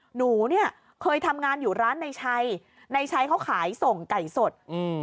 หนูเนี่ยเคยทำงานอยู่ร้านในชัยในชัยเขาขายส่งไก่สดอืม